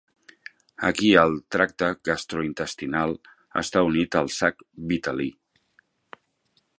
Aquí, el tracte gastrointestinal està unit al sac vitel·lí.